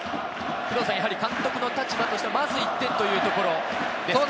監督の立場としてはまず１点というところですか？